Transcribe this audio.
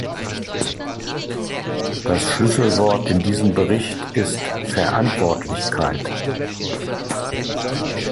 Das Schlüsselwort in diesem Bericht ist "Verantwortlichkeit".